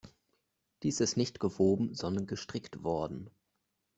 Dies ist nicht gewoben, sondern gestrickt worden.